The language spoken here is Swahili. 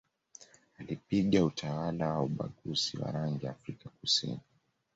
alipinga utawala wa ubaguzi wa rangi Afrika kusini